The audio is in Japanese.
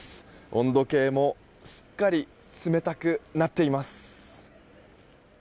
温度計もすっかり冷たくなっています。